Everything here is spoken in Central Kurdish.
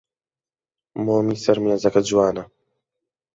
مۆمی سەر مێزەکە جوانە.